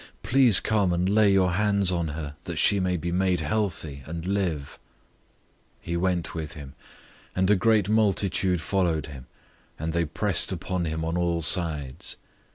Please come and lay your hands on her, that she may be made healthy, and live." 005:024 He went with him, and a great multitude followed him, and they pressed upon him on all sides.